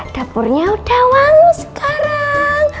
dapurnya udah wangi sekarang